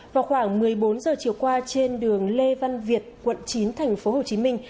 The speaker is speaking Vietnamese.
vào khoảng một mươi bốn giờ chiều qua trên đường lê văn việt quận chín thành phố hồ chí minh